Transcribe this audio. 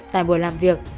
tại buổi làm việc